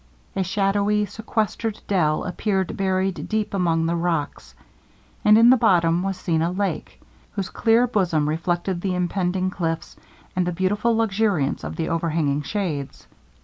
A shadowy sequestered dell appeared buried deep among the rocks, and in the bottom was seen a lake, whose clear bosom reflected the impending cliffs, and the beautiful luxuriance of the overhanging shades.